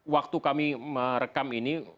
waktu kami merekam ini